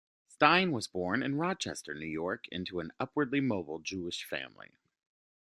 Stein was born in Rochester, New York into an upwardly mobile Jewish family.